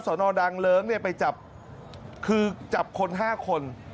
นดังเลิ้งเนี่ยไปจับคือจับคน๕คน